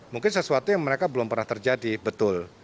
mungkin sesuatu yang mereka belum pernah terjadi betul